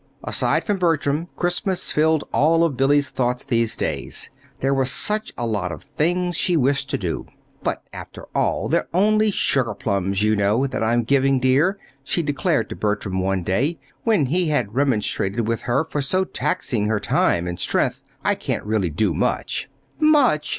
Aside from Bertram, Christmas filled all of Billy's thoughts these days. There were such a lot of things she wished to do. "But, after all, they're only sugarplums, you know, that I'm giving, dear," she declared to Bertram one day, when he had remonstrated with with her for so taxing her time and strength. "I can't really do much." "Much!"